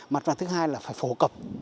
mặt và thứ hai là phải phổ cập